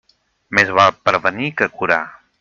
Més val prevenir que curar.